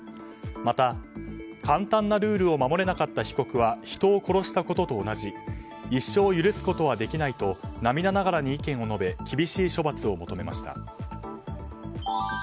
また簡単なルールを守れなかった被告は人を殺したことと同じ一生許すことはできないと涙ながらに意見を述べ厳しい処罰を求めました。